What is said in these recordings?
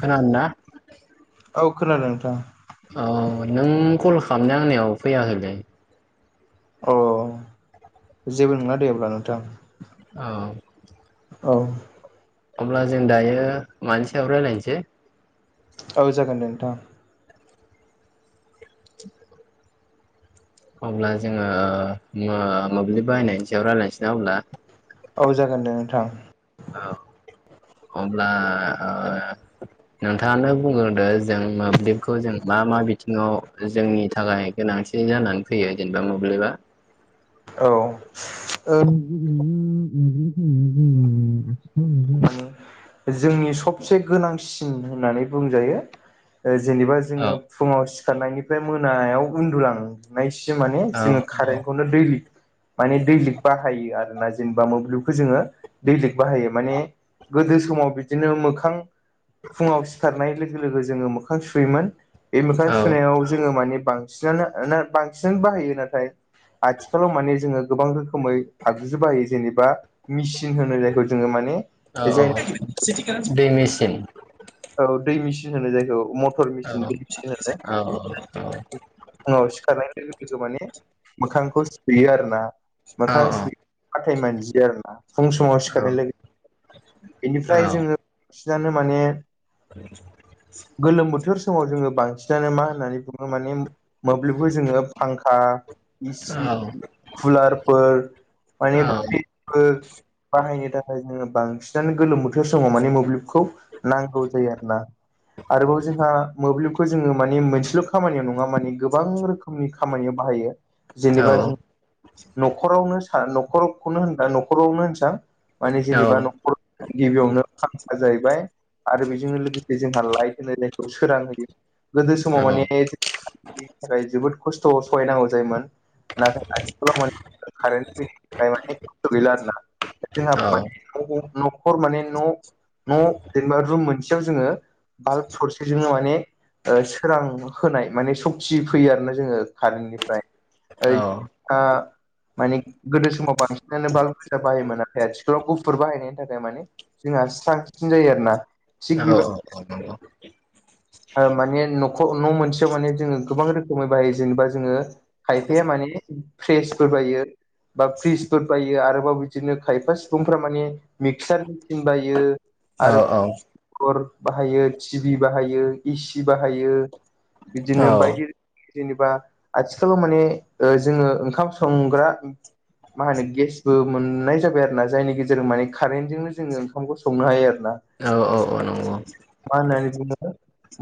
खोना दों ना? औ खोनादों नोंथां। औ नों कल खालामनाया आंनाव फैयाखैलै। औ औ जेबो नङा दे अब्ला नोंथां। औ। औ। अब्ला जों दायो मानि सायाव रायज्लायनोसै? औ जागोन दे नोंथां। [inaudible] अब्ला जोङो जोङो मोब्लिब बाहायनायनि सायाव रायज्लायनोसै ना अब्ला। औ जागोन दे नोंथां। औ अब्ला ओ नोंथाङानो बुंग्रोदो। जों मोब्लिबखौ जों मा मा बिथिङाव जोंनि थाखाय गोनांथि जानानै फैयो जेनेबा मोब्लिबा। औ ओ [unintelligible] [unintelligible] जोंनि सबसे गोनांसिन होननानै बुंजायो। ओ जेनेबा औ जोङो फुङाव सिखारनायनिफ्राय मोनायाव उन्दुलां नाइसिम माने औ जोङो कारेन्टखौनो दैलि माने दैलिग बाहायो आरोना जेनेबा मोब्लिबखौ जोङो दैलिग बाहायो माने गोदो समाव बिदिनो मोखां फुङाव सिखारनाय लोगो लोगो जोङो मोखां सुयोमोन। बे मोखां औ सुनायाव जोङो माने बां सिनायनो ओ ना बांसिन बाहायो। नाथाय आथि खालाव माने जोङो गोबां रोखोमै आगजुबो बाहायो जेनेबा मेसिन होनो जायखौ जोङो माने जाय [unintelligible] बे मेसिन। औ दै मेसिन होनो जायखौ म औ औ औ [unintelligible] औ सिखारनाय लोगो लोगो माने मोखांखौ सुफैयो आरो ना। औ मोखां औ सुयो हाथाय मानजियो आरो ना। फुं समाव सिखारनाय लोगो बेनिफ्राय जोङो बांसिनानो माने [inaudible] गोलोम बोथोर समाव जोङो बांसिनानो मा होननानै बुङो माने मोब्लिबखौ जोङो फांखा इ सि फुलारफोर औ माने [unintelligible] फोर बाहायनो थाखाय जोङो बांसिनानो गोलोम बोथोर समाव माने मोब्लिबखौ नां गौ जायो आरो ना। आरोबाव जोंहा मोब्लिब खौ जोङो माने मोनसेल' खामानियाव नङा माने गोबां रोखोमनि खामानियाव बाहायो औ जेनेबा औ जों न'खरावनो सा न'खरखौनो होनबा न'खरावनो होननोसां माने मा जेनेबा होनदोंमोनलाय न'खर गिबियावनो खामानिया जाहैबाय आरो बेजोंनो लोगोसे जोंहा लाइट हो [unintelligible] सोरां होयो गोदो समाव नोंथाङा? माने बेनि थाखाय जोबोद खस्थ' सहायनांगौ जायोमोन। नाथाय [unintelligible] [unintelligible] न'खर माने न' न' जेनेबा रुम मोनसेयाव जोङो बाल्ब थरसेजोंनो माने ओ सोरां होनाय माने सक्ति फैयो आरो ना जोङो कारेन्टनिफ्राय ओइ ओ माने गोदो समाव बांसिनानो बाल्ब गोजा बाहायोमोन आरो। आथिखालाव गुफुर बाहायनायनि थाखाय माने जोंहा स्रांसिन जायो आरो ना। औ औ औ नंगौ। माने नखर' न' मोनसेयाव माने जोङो गोबां रोखोमै बाहायो जेनेबा जोङो खायफाया माने फ्रेसफोर बाहायो। बा फ्रिजफोर बायो आरोबाव बिदिनो खायफा सुबुंफोरा माने मिक्सार मेसिन बायो। औ औ। मटर बाहायो, टिभि बाहायो, ए सि बाहायो बिदिनो बायदि जेनेबा आथिखालाव माने ओ जोङो ओंखाम संग्रा मा होनो गेसबो मोननाय जाबाय आरो ना। जायनि गेजेरजों माने कारेन्टजोंनो जोङो ओंखामखौ संनो हायो आरो ना। औ औ औ। मा होन्नानै बुङो?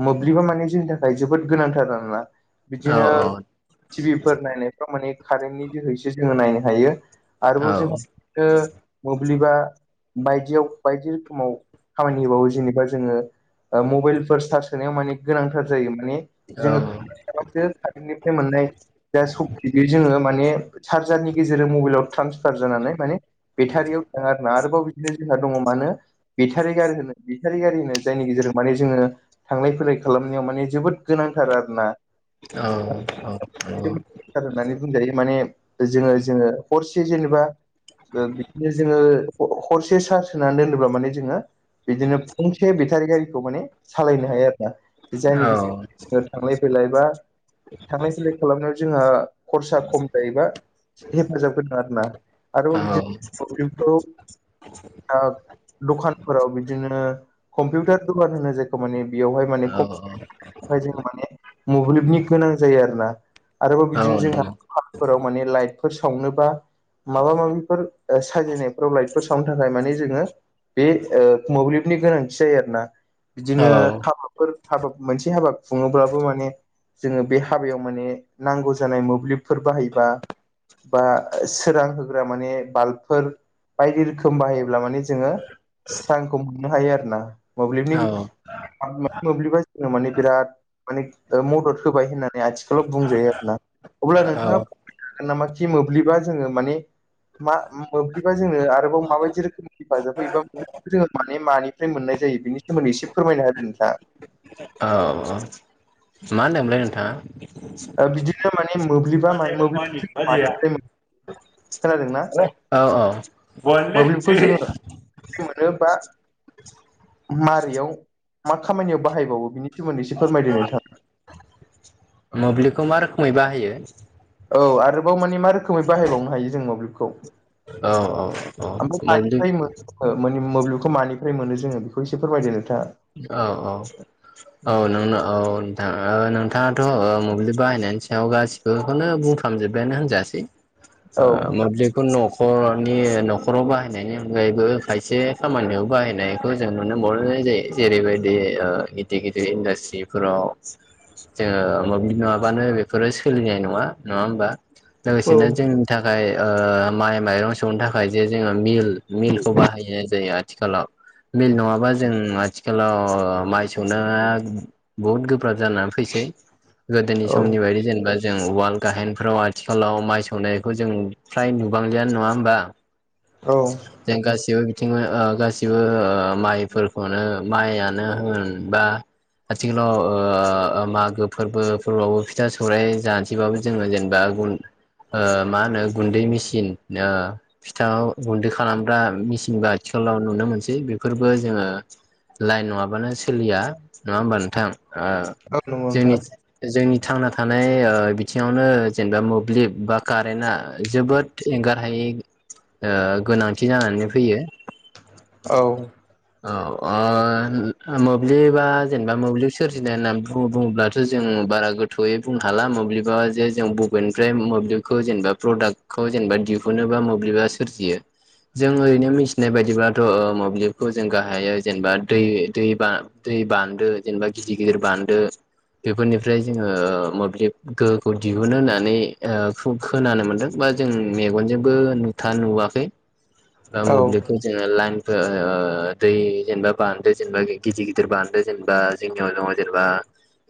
मोब्लिबा माने जोंनि थाखाय जोबोद गोनांथार आरोना। बिदिनो टि भि फोर नायफाव माने कारेन्टनि जोहैसो जोङो नायनो हायो। आरोबाव जोंहा मोब्लिबा बायदियाव बायदि रोखोमाव खामानि होबावो जेनेबा जोङो मबाइलफोर सार्स होनायाव माने गोनांथार जायो माने जोङो खालामो कारेन्टनिफ्राय मोननाय जा सक्ति बि जोङो माने चार्जारनि गेजेरजों मबाइलाव ट्रान्सफार जानानै माने बेटारियाव थाङो आरोना आरोबाव बिदिनो जोंना दङ मानो बेटारि गारि होनो बेटारि गारि होनो जायनि गेजेरजों माने जोङो थांलाय फैलाय खालामनायाव माने जोबोद गोनांथार आरो ना? औे औ होननानै बुंजायो माने जोङो जोङो हरसे जेनेबा ओ बिदिनो जोङो हरसे सार्ज होनानै दोनोब्ला माने जोङो बिदिनो फंसे बेटारि गारिखौ माने सालायनो हायो आरोना जायनि गेजेरजों थांलाय फैलाय बा थांलाय फैलाय खालामनायाव जोंहा खरसा खम जायोबा हेफाजाब होदों आरो ना आरो बिदिनो इफोराव ओ दखानफोराव बिदिनो कम्पिउटार दखान होनो जाय माने बेयावहाय माने [unintelligible] जों माने मोब्लिबनि गोनां जायो आरो ना। आरोबाव बिदिनो जोंहा हरफोराव माने लाइटफोर सावनोबा माबा माबिफोर साजायनायफोराव लाइटफोर सावनो थाखाय माने जोङो बे ओ मोब्लिबनि गोनांथि जायो आरोना। बिदिनो हाबाफोर हाबा मोनसे हाबा खुङोब्लाबो माने जोङो बे हाबायाव माने नांगौ जानाय मोब्लिबफोर बाहायबा बा सोरां होग्रा माने बाल्बफोर बायदि रोखोम बाहायोब्ला माने जोङो स्रांखौ मोननो हायो आरो ना मोब्लिबनि मोब्लिबा जोंनो माने बिराद माने मदद होबाय होननानै आथिखालाव बुंजायो आरो ना अब्ला नोंथाङा होगोन नामा खि मोब्लिबा जोङो माने मा मोब्लिबा जोङो आरोबाव माबायदि रोखोमनि हेफाजाब होयोबा जोङो माने मानिफ्राय मोननाय जायो बिनि सोमोन्दै एसे फोरमायनो हादो नोंथाङा। औ औ मा होनदोमोनलाय नोंथाङा? बिदिनो माने मोब्लिबा [unintelligible] मोब्लिबा खोनादों ना? औ औ मोब्लिबखौ जोङो मोनो बा मारैयाव मा खामानियाव बाहायबावो बिनि सोमोन्दैसे फोरमायदों नोंथाङा। मोब्लिबखौ मा रोखोमै बाहायो? औ आरोबाव मानि मा रोखोमै बाहायबावनो हायो जों मोब्लिबखौ? औ औ [unintelligible] ओ औ मोब्लिब माने मोब्लिबखौ मानिफ्राय मोनो जोङो बेखौ एसे फोरमायदो नोंथाङा? औ औ औ नोंनो औ ओ ओ नोंथाङाथ' मोब्लिब बाहायनायनि सायाव गासिबोखौनो बुंफ्रामजोब्बायानो होनजासै ओ औ मोब्लिब बे न'खरनि न'खराव बाहायनायनि अनगायैबो खायसे खामानियाव बाहायनाय खौ जों नुनो मोनबावनाय जायो जेरैबायदि ओ गिदिर गिदिर इन्डास्ट्रिफोराव जोङो मोब्लिब नोङाबानो बेफोरो सोलिनाय नङा नङा ओमबा? औ लोगोसेनो जोंनि थाखाय ओ माइ माइरं सौनो थाखाय जे जोङो मिल मिलखौ बाहायनाय जायो आथिखालाव मिल नङाबा जों आ आथिखालाव माइ सौनाया बहुद गोब्राब जाना फैसै गोदोनि समनि औ बायदि जेनेबा जों वाल गाहेनफ्राव आथिखालाव माइ सौनायखौ जों फ्राय नुबांलिया नङा ओमबा? औ जों गासिबो बिथिं ओ गासिबो माइफोरखौनो माइआनो होन बा आथिखालाव ओ मागो फोरबो फोरबावबो फिथा सौराइ जा सैबाबो जोङो जेनेबा मा होनो गुन्दै मेसिन ओ फिथाङाव गुन्दै खालामग्रा मेचिनबो आथिखालाव नुनो मोनसै बेफोरबो जोङो लाइन नङाबानो सोलिया नङा होमबा नोंथां नंगौ ओ नोंथां जोंनि जोंनि थांना थानाय ओ बिथिङावनो जेनेबा मोब्लिब बा कारेन्टआ जोबोद एंगारहायै ओ गोनांथि जानानै फैयो औ ओ मोब्लिबा जेनेबा मोब्लिब सोरजिनाय होननानै बुङोब्ला जों बारा गोथौयै बुंनोहाला मोब्लिबा जे जों बबेनिफ्राय मोब्लिबखौ जेनेबा प्रडाक्ट खौ जेनेबा दिहुनोबा मोब्लिबा सोरजियो जों ओरैनो मिथिनाय बायदिब्लाथ'ओ मोब्लिब खौ जों गाहायो जेनेबा दै दै बान्दो जेनेबा गिदिर गिदिर बान्दो बेफोरनिफ्राय जोङो मोब्लिब गोहोखौ दिहुननो होननानै ओ खु खोनानो मोन्दों बा जों मेगनजोंबो नुथा नुवाखै दा औ मोब्लिब खौ जोङो [unintelligible] ओ दै जेनेबा बान्दो जेनेबा गिदिर गिदिर बान्दो जेनेबा जोंनियाव दङ जेनेबा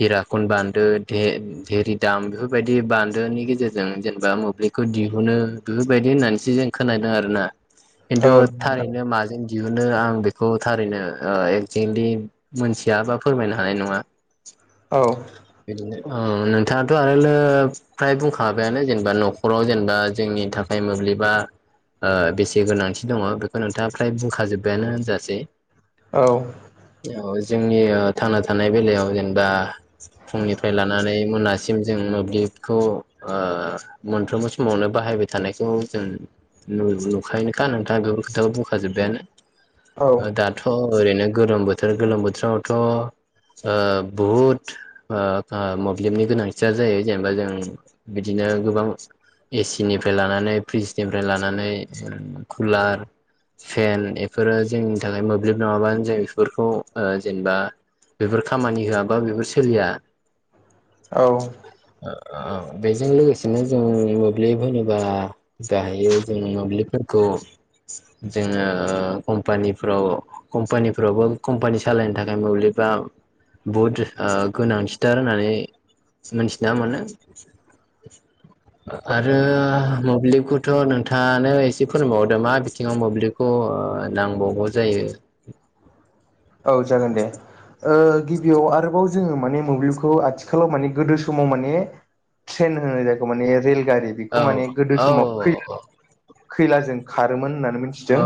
हिराकन बान्दो देरिरि दाम बेफोरबायदि बान्दोनि गेजेरजों जेनेबा मोब्लिब खौ दिहुनो बेफोरबायदि होननानैसो जों खोनादों आरोना औ खिन्थु थारैनो माजों दिहुनो आं बेखौ थारैनो ओ एक्जेक्टलि मोनथिया बा फोरमायनो हानाय नङा औ बिदिनो ओ नोंथाङाथ' आरो नो फ्राय बुंखाबायानो जेनेबा न'खराव जेनेबा जोंनि थाखाय मोब्लिबा ओ बेसे गोनांथि दङ बेखौ नोंथाङा फ्राय बुंखाजोब्बायानो होनजासै औ औ जोंनि ओ थांना थानाय बेलायाव जेनेबा फुंनिफ्राय लानानै मोना सिम जों मोब्लिबखौ ओ मोनफ्रोमबो समावनो बाहायबाय थानायखौ जों नु-नुखायोनोखा नोंथाङा बेफोर खोथाखौ बुंखाजोब्बायानो ओ औ दाथ' ओरैनो गोलोम बोथोर गोलोम बोथोरावथ' ओ बहुद ओ ओ मोब्लिबनि गोनांथिया जायो जेनेबा जों बिदिनो गोबां एसिनिफ्राय लानानै फ्रिजनिफ्राय लानानै कुलार फेन एफोरो जोंनि थाखाय मोब्लिब नङाबानो जों बेफोरखौ ओ जेनेबा बेफोर खामानि होआबा बेफोर सोलिया औ औ बेजों लोगोसेनो जों मोब्लिब होनोबा जाहैयो जोङो मोब्लिबफोरखौ जोङो ओ कम्पानिफ्राव कम्पानिफ्रावबो कम्पानि सालायनो थाखाय मोब्लिबा बहुद ओ गोनांथिथार होननानै मिथिना मोनानो आरो मोब्लिबखौथ' नोंथाङानो एसे फोरमबावदो मा बिथिङाव मोब्लिबखौ ओ नांबावगौ जायो औ जागोन दे ओ गिबियाव आरोबाव जोङो माने मोब्लिबखौ आथिखालाव माने गोदो समाव माने ट्रेन होनाय जायखौ माने रेलगारि औ बेखौ माने गोदो औ समाव फैयो खैलाजों खारोमोन होननानै मिथि औ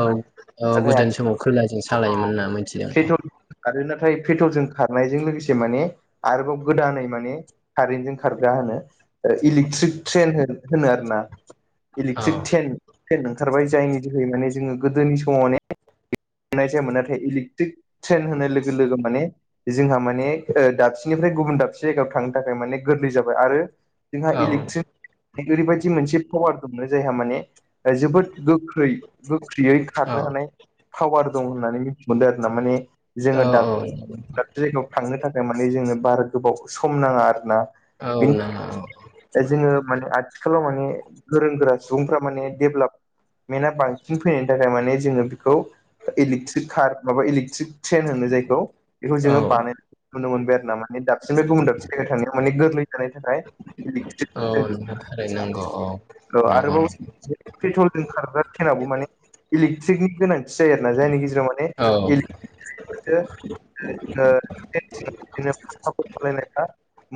औ गोदो समाव खैलाजों आथिखालाव सालायोमोन नामोन पेट्रल खारो नाथाय पेट्रलजों खारनायजों लोगोसे माने आरोबाव गोदानै माने कारेन्टजों खारग्रा होनो इलेक्ट्रिक ट्रेन होनो आरो ना औ इलेक्ट्रिक ट्रैन फेन ओंखारबाय जायनि जोहै माने जोङो गोदोनि समाव मानेनाय जायामोन नाथाय इलेकट्रिक ट्रेन होनाय लोगो लोगो माने जोंहा माने दाबसेनिफ्राय गुबुन दाबसे जायगायाव थांनो थाखाय माने गोरलै जाबाय आरो जोंहा औ इलेक्ट्रिक ओरैबायदि मोनसे पावार दंमोन जायहा माने जोबोद गोख्रै गोख्रैयै औ खारनो हानाय पावार दं होननानै मिथि मोनदों आरो ना माने जोङो औ दाब दाबसे जायगायाव थांनो थाखाय माने जोङो बारा गोबाव सम नाङा आरो ना औ नंगौ दा जोंङो माने आथिखालाव माने गोरों गोरा सुबुंफ्रा माने डेभेलप मेना बांसिन फैनायनि थाखाय माने जोङो बेखौ इलेकट्रिक कार माबा इलेकट्रिक ट्रेन होनो जायखौ बेखौ औ जोंङो बानायनाय नुनो मोनबाय आरो नामा माने दाबसिमबो बुंदों [unintelligible] गुबुन गोरलै जानाय थाखाय औ [unintelligible] [unintelligible] पेट्रल जों खारग्रा खेनाबो माने इलेकट्रिकनि गोनांथि जायो आरो ना जायनि गेजेराव माने औ [unintelligible]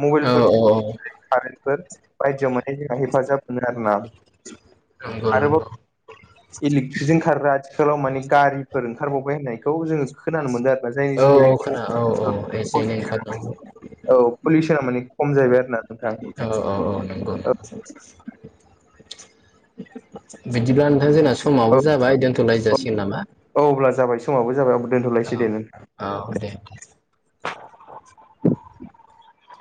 मबाइलफोरफोर औ औ [unintelligible] हेफाजाब मोनो आरोना नंगौ नंगौ आरोबाव इलेक्ट्रिकजों खारग्रा आथिखालाव माने गारिफोर ओंखारबावबाय होननायखौ जोंङो। खोनानो मोनदों आरोना जायनि औ जोहै औ खोना औ औ एसे एनै ओंखारनांगौ [unintelligible] औ पलिउसना माने खम जाहैबाय आरो ना नोंथां औ औ औ नंगौ औ बिदिब्ला नोंथां जोंना समावबो जाबाय दोनथ'लाय औ जासिगोन नामा। औ अब्ला जाबाय समावबो जाबाय औ दोनथ'लायसै दे नोंथां औ दे दे